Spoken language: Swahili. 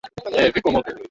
msemaji wa wfp jack den